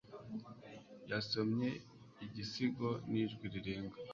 Yasomye igisigo n'ijwi rirenga.